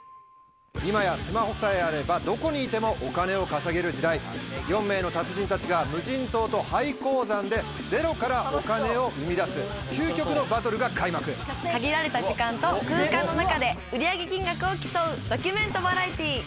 今やスマホさえあれば、どこにいてもお金を稼げる時代、４名の達人たちが無人島と廃鉱山でゼロからお金を生限られた時間と空間の中で、売上金額を競うドキュメントバラエティー。